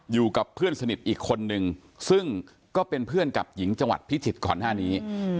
อยู่กับเพื่อนสนิทอีกคนนึงซึ่งก็เป็นเพื่อนกับหญิงจังหวัดพิจิตรก่อนหน้านี้